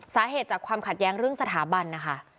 สาเหตุจากความขัดแย้งเรื่องสถาบันนะคะ